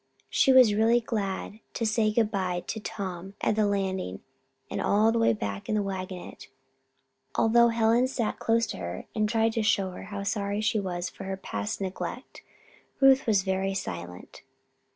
She was really glad to say good bye to Tom at the landing, and all the way back in the wagonette, although Helen sat close to her and tried to show her how sorry she was for her past neglect, Ruth was very silent.